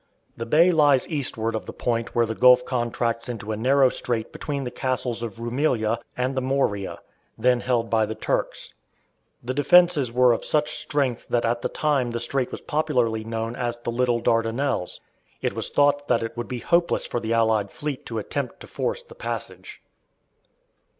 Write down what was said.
The bay lies eastward of the point where the gulf contracts into a narrow strait between the "Castles of Roumelia" and "the Morea," then held by the Turks. The defences were of such strength that at the time the strait was popularly known as "the Little Dardanelles." It was thought that it would be hopeless for the allied fleet to attempt to force the passage.